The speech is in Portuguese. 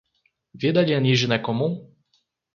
Vida alienígena é comum?